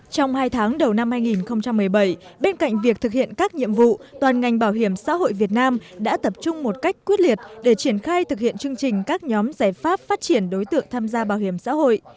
trong hai tháng đầu năm hai nghìn một mươi bảy bên cạnh việc thực hiện các nhiệm vụ toàn ngành bảo hiểm xã hội việt nam đã tập trung một cách quyết liệt để triển khai thực hiện chương trình các nhóm giải pháp phát triển đối tượng tham gia bảo hiểm xã hội